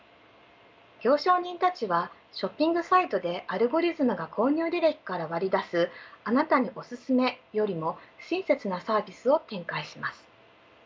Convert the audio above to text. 行商人たちはショッピングサイトでアルゴリズムが購入履歴から割り出す「あなたにおすすめ」よりも親切なサービスを展開します。